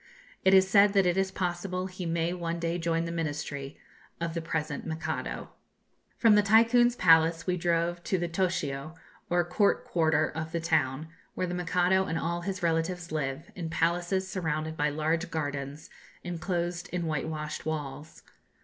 It is said that it is possible he may one day join the ministry of the present Mikado. From the Tycoon's palace we drove to the 'Toshio,' or court quarter of the town, where the Mikado and all his relatives live, in palaces, surrounded by large gardens, enclosed in whitewashed walls.